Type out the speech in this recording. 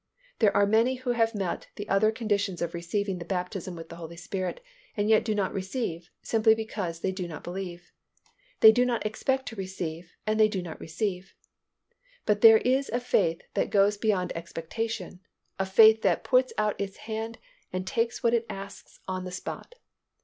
There are many who have met the other conditions of receiving the baptism with the Holy Spirit and yet do not receive, simply because they do not believe. They do not expect to receive and they do not receive. But there is a faith that goes beyond expectation, a faith that puts out its hand and takes what it asks on the spot.